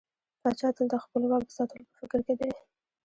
پاچا تل د خپل واک د ساتلو په فکر کې دى.